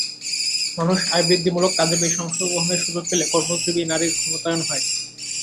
মানুষ আয়বৃদ্ধিমূলক কাজে বেশি অংশগ্রহণের সুযোগ পেলে কর্মজীবী নারীর ক্ষমতায়ন হয়।